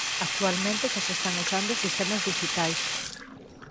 Actualmente xa se están usando sistemas dixitais.